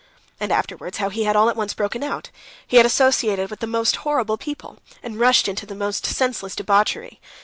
And afterwards, how he had all at once broken out: he had associated with the most horrible people, and rushed into the most senseless debauchery.